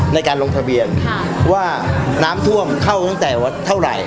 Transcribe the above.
ในการลงทะเบียนว่าน้ำท่วมเข้าตั้งแต่เท่าไหร่